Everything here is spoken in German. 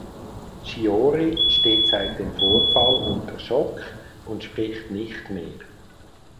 Shiori steht seit dem Vorfall unter Schock und spricht nicht mehr.